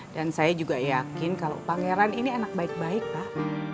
dan saya juga yakin kalau pangeran ini anak baik baik pak